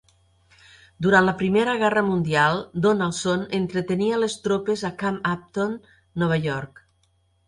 Durant la Primera Guerra Mundial, Donaldson entretenia les tropes a Camp Upton, Nova York.